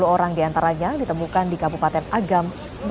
dua puluh orang diantaranya ditemukan di kabupaten agam